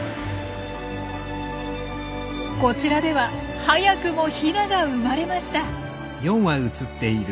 こちらでは早くもヒナが生まれました。